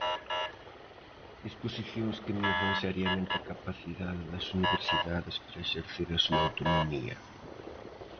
Disposicións que minguan seriamente a capacidade das universidades para exercer a súa autonomía.